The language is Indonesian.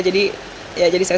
jadi saya suka